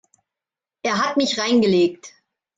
Er hat mich reingelegt.